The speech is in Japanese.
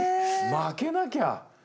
負けなきゃ。